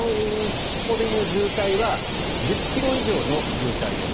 ここでいう渋滞は１０ｋｍ以上の渋滞です。